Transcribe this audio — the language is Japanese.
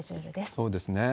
そうですね。